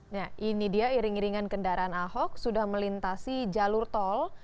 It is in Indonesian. nah ini dia iring iringan kendaraan ahok sudah melintasi jalur tol